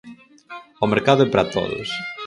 O mercado é para todos.